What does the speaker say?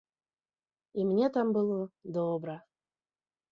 І мне там было добра.